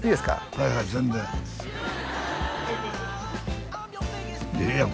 はいはい全然ええやん